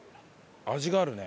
味があるね。